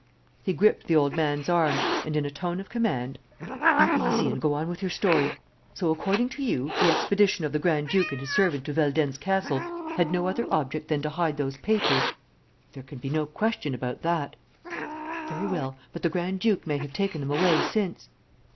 He gripped the old man's arm and, in a tone of command: "Be easy and go on with your story. So, according to you, the expedition of the grand duke and his servant to Veldenz Castle had no other object than to hide those papers?" "There can be no question about that." "Very well. But the grand duke may have taken them away since."